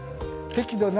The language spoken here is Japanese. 適度な。